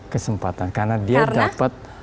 kesempatan karena dia dapat